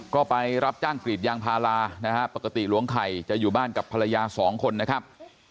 ก็ไปรับจ้างกรีดยางพารานะฮะปกติหลวงไข่จะอยู่บ้านกับภรรยาสองคนนะครับ